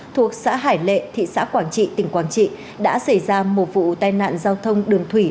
thuộc xã hải lệ thị xã quảng trị tỉnh quảng trị đã xảy ra một vụ tai nạn giao thông đường thủy